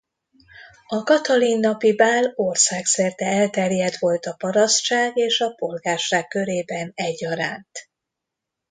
A Katalin-napi bál országszerte elterjedt volt a parasztság és a polgárság körében egyaránt.